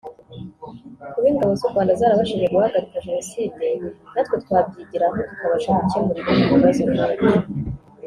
Kuba ingabo z’u Rwanda zarabashije guhagarika Jenoside natwe twabyigiraho tukabasha gukemura ibindi bibazo nk’ibyo”